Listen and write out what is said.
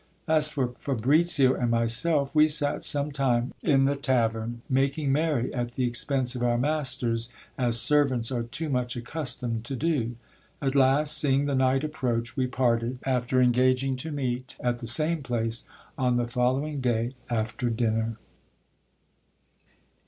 As for Fabricio and myself, we sat some time in the tavern, making merry at the expense of our masters, as servants are too much accustomed to do. At last, seeing the night approach, we parted, after engaging to meet at the same place on the following day after dinner.